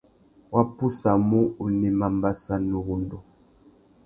Wá pussamú, unema mbassa na uwundu.